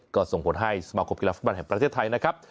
ก็ส่งผลให้สมาคมกีฬาฟุตบอลแห่งประเทศไทยนะครับ